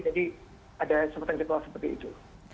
jadi ada kesempatan kita buat seperti itu